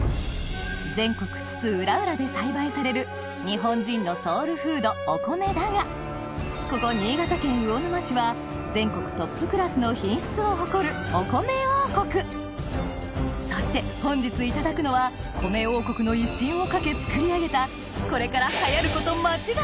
全国津々浦々で栽培される日本人のソウルフードお米だがここ新潟県魚沼市は全国トップクラスの品質を誇るお米王国そして本日いただくのはというお米になります。